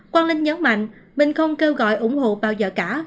quang linh nhấn mạnh mình không kêu gọi ủng hộ bao giờ cả